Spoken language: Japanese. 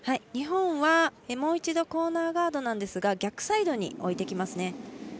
日本はもう一度コーナーガードですが逆サイドに置いてきますね。